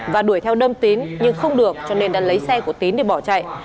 và đuổi theo đâm tín nhưng không được cho nên đã lấy xe của tín để bỏ chạy